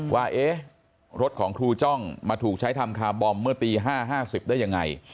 ว่ารถของครูจ้องมาถูกใช้ทำคาร์บอมเมื่อตี๕๕๐ได้ยังไง